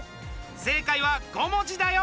正解は５文字だよ！